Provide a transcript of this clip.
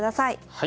はい。